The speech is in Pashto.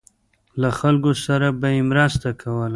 له خلکو سره به یې مرسته کوله.